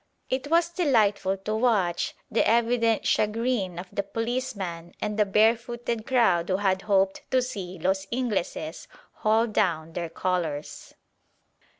It was delightful to watch the evident chagrin of the policeman and the barefooted crowd who had hoped to see "los Ingleses" haul down their colours.